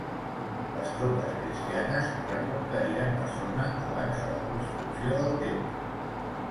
Les tropes cristianes reconqueriren la zona abans de la construcció del temple.